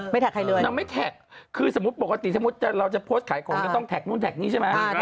ไม่แท็กใครด้วยคือสมมุติปกติเราจะแท็กต้องที่ใช่มั้ย